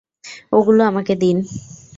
ওগুলো আমাকে দিন।